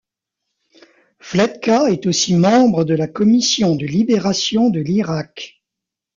Fletka est aussi membre de la commission de libération de l'Irak.